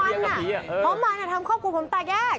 พวกมันน่ะพวกมันครอบครัวผมแตกแยก